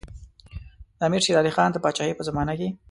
د امیر شېر علي خان د پاچاهۍ په زمانه کې.